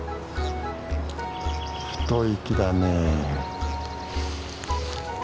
太い木だね。